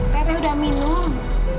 t dewi udah minum